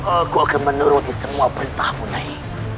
aku akan menuruti semua perintahmu nyai